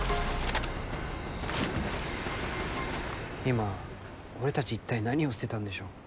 今俺たち一体何を捨てたんでしょう？